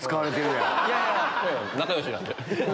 仲良しなんで。